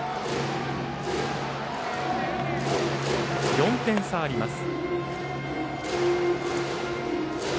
４点差あります。